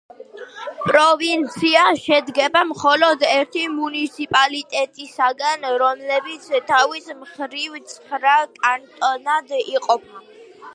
პროვინცია შედგება მხოლოდ ერთი მუნიციპალიტეტისაგან, რომლებიც თავის მხრივ ცხრა კანტონად იყოფა.